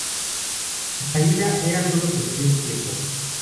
Su caída era solo cuestión de tiempo.